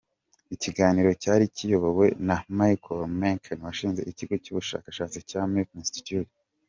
Ikiganiro cyari kiyobowe na Michael Milken washinze Ikigo cy’ubushakashatsi cya Milken Institute.